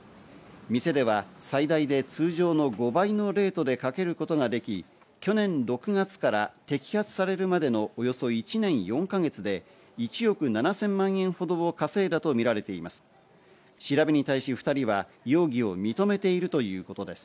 店では最大で通常の５倍のレートで賭けることができ、去年６月から摘発されるまでのおよそ１年４か月で１億７０００万円ほどを稼いだとみられています。